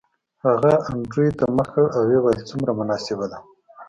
هغه انډریو ته مخ کړ او ویې ویل څومره مناسبه ده